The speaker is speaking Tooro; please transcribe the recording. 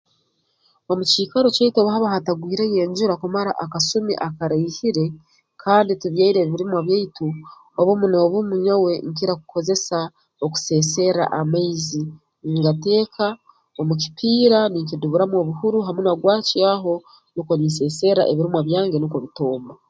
Omu kiikaro kyaitu obu haba hatagwireyo enjura kumara akasumi akaraihire kandi tubyaire ebirimwa byaitu obumu n'obumu nyowe nkira kukozesa okuseeserra amaizi ngateeka omu kipiira ninkiduburamu obuhuru ha munwa gwakyo aho nukwe ninseeserra ebirimwa byange nukwo bitooma